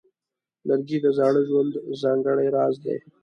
لرګی د زاړه ژوند ځانګړی راز دی.